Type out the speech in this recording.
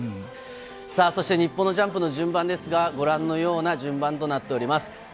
そして日本のジャンプの順番ですが、ご覧のような順番となっております。